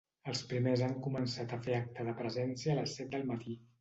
Els primers han començat a fer acte de presència a les set del matí.